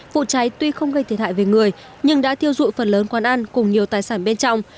vụ cháy tuy không gây thiệt hại về người nhưng đã thiêu dụi phần lớn quán ăn cùng nhiều tài sản bên trong